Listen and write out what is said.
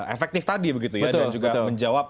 efektif tadi dan juga menjawab